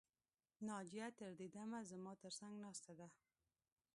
ناجیه تر دې دمه زما تر څنګ ناسته ده